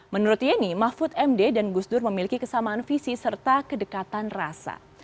menurut yeni mahfud md dan gus dur memiliki kesamaan visi serta kedekatan rasa